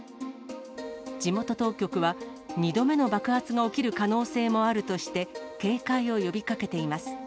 地元当局は、２度目の爆発が起きる可能性もあるとして、警戒を呼びかけています。